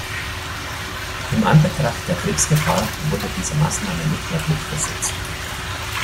In Anbetracht der Kriegsgefahr wurde diese Maßnahme nicht mehr durchgesetzt.